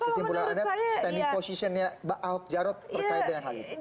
kesimpulan anda standing position nya ahok jarot terkait dengan hal itu